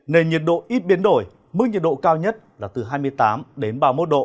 nền nhiệt độ ít biến đổi mức nhiệt độ cao nhất là từ hai mươi tám đến ba mươi một độ